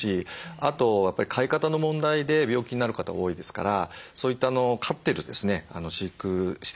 あとやっぱり飼い方の問題で病気になる方多いですからそういった飼ってる飼育してる所をですね